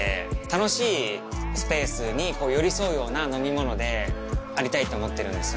楽しいスペースに寄り添うような飲み物でありたいと思っているんです